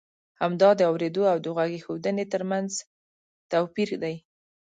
همدا د اورېدو او د غوږ اېښودنې ترمنځ توپی ر دی.